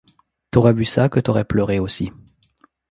T’aurais vu ça que t’aurais pleuré aussi.